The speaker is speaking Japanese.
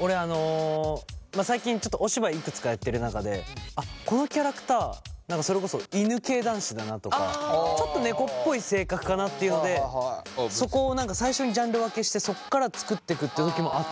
俺最近ちょっとお芝居いくつかやってる中でこのキャラクターそれこそ犬系男子だなとかちょっと猫っぽい性格かなっていうのでそこを最初にジャンル分けしてそっから作ってくって時もあった。